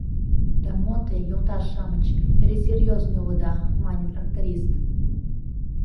— Да мо те, йолташ-шамыч, эре серьезный улыда, мане тракторист.